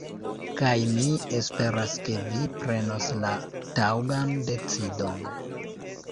Kaj mi esperas ke vi prenos la taŭgan decidon